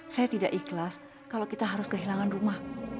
saya tidak ikhlas kalau kita harus kehilangan rumah